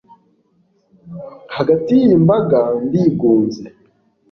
hagati y'iyi mbaga, ndigunze